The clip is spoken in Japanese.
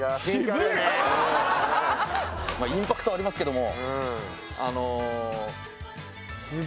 まあインパクトありますけども。